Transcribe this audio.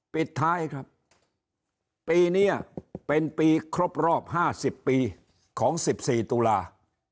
ปิดท้ายครับปีเนี้ยเป็นปีครบรอบห้าสิบปีของสิบสี่ตุลาห์